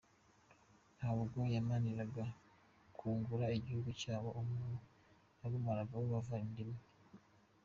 Ntabwo bamaraniraga kwungura igihugu cyabo, umuntu yagumanaga abo bava inda imwe.